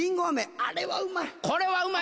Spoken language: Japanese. あれはうまい。